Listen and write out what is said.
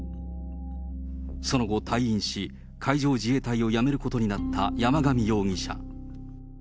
その後、退院し、海上自衛隊を辞めることになった山上容疑者。